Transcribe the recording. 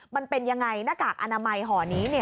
มันเป็นยังไงหน้ากากอนามัยห่อนี้